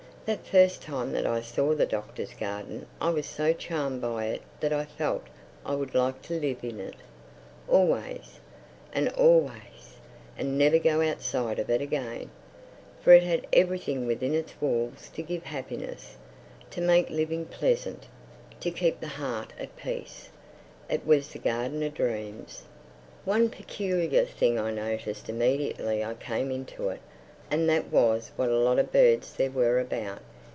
That first time that I saw the Doctor's garden I was so charmed by it that I felt I would like to live in it—always and always—and never go outside of it again. For it had everything within its walls to give happiness, to make living pleasant—to keep the heart at peace. It was the Garden of Dreams. One peculiar thing I noticed immediately I came into it; and that was what a lot of birds there were about.